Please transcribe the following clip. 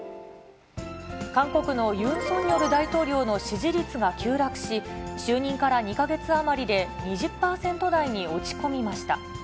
韓国のユン・ソンニョル大統領の支持率が急落し、就任から２か月余りで２０％台に落ち込みました。